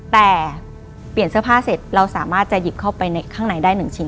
แต่เปลี่ยนเสื้อผ้าเสร็จเราสามารถจะหยิบเข้าไปข้างในได้๑ชิ้น